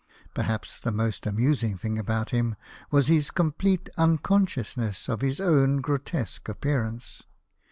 Perhaps the most amusing thing about him was his complete unconsciousness of his own grotesque appearance.